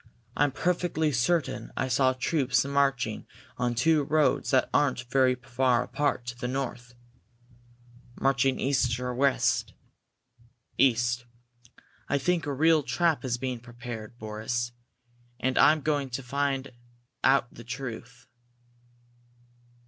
I'm perfectly certain I saw troops marching on two roads that aren't very far apart, to the north." "Marching east or west?" "East. I think a real trap is being prepared, Boris. And I'm going to try to find out the truth!"